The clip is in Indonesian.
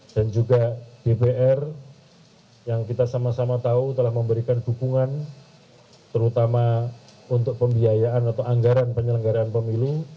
dan juga dpr yang kita sama sama tahu telah memberikan dukungan terutama untuk pembiayaan atau anggaran penyelenggaraan pemilu